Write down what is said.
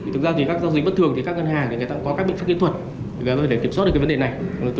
thực ra thì các giao dịch bất thường thì các ngân hàng thì người ta cũng có các bệnh pháp kỹ thuật để kiểm soát được cái vấn đề này